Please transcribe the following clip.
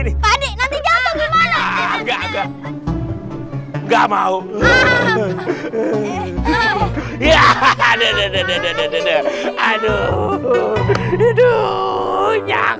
padi mau kemana jangan manjang